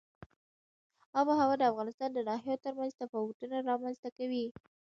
آب وهوا د افغانستان د ناحیو ترمنځ تفاوتونه رامنځ ته کوي.